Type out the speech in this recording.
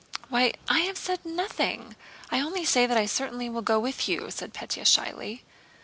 "Why, I've not said anything! I only say that I'll certainly go with you," said Pétya shyly.